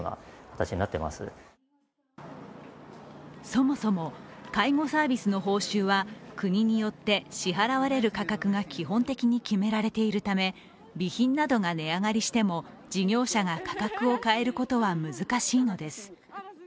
そもそも介護サービスの報酬は国によって支払われる価格が基本的に決められているため備品などが値上がりしても事業者が価格を変えることは難しいのです。